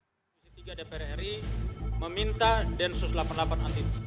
komisi tiga dpr ri meminta densus delapan puluh delapan anti